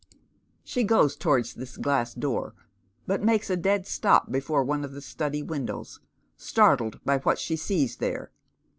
She goes towards this glass door, but makes a dead stop before one of the study windows, startled by what she sees there.